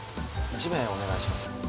１名お願いします。